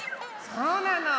そうなの。